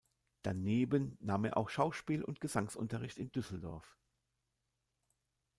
Daneben nahm er auch Schauspiel- und Gesangsunterricht in Düsseldorf.